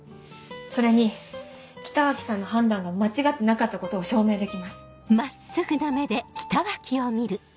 それに北脇さんの判断が間違ってなかったことを証明できます。